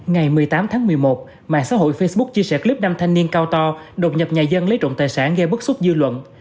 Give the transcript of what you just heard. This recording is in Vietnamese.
ngày một mươi tám tháng một mươi một mạng xã hội facebook chia sẻ clip năm thanh niên cao to đột nhập nhà dân lấy trộm tài sản gây bức xúc dư luận